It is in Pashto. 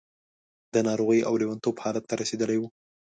د ناروغۍ او لېونتوب حالت ته رسېدلې وه.